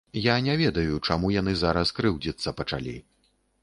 Я не ведаю, чаму яны зараз крыўдзіцца пачалі.